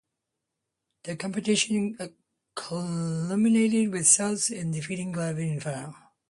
The competition culminated with Souths defeating Glebe in the final.